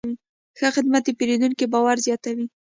ښه خدمت د پیرودونکي باور زیاتوي.